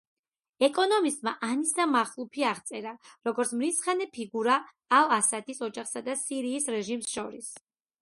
ეკონომისტმა ანისა მახლუფი აღწერა, როგორც „მრისხანე ფიგურა“ ალ-ასადის ოჯახსა და სირიის რეჟიმს შორის.